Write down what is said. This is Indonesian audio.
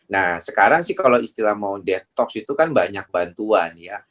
nah sekarang sih kalau istilah mau detox itu kan banyak bantuan ya